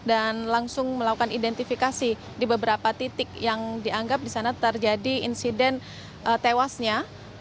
dan langsung melakukan identifikasi di beberapa titik yang dianggap di sana terjadi insiden tewasnya